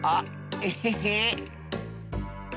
エヘヘ！